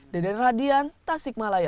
deden radian tasikmalaya